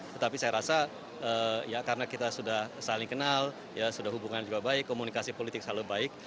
tetapi saya rasa ya karena kita sudah saling kenal ya sudah hubungan juga baik komunikasi politik selalu baik